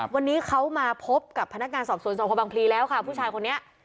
วันนี้เขามาพบกับพนักงานสอบสวนสพบังพลีแล้วค่ะผู้ชายคนนี้